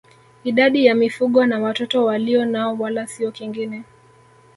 Idadi ya mifugo na watoto alionao wala sio kingine